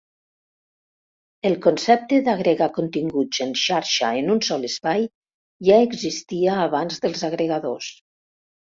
El concepte d'agregar continguts en xarxa en un sol espai ja existia abans dels agregadors.